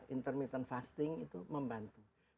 intermittent fasting itu membantu